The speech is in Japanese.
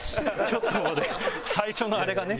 ちょっと最初のあれがね。